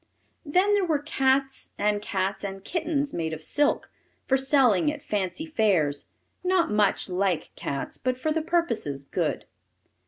Then there were cats, and cats and kittens, made of silk, for selling at fancy fairs, not much like cats, but for the purposes good.